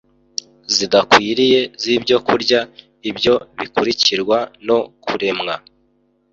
zidakwiriye zibyokurya ibyo bikurikirwa no kuremwa